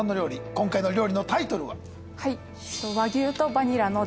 今回の料理のタイトルは？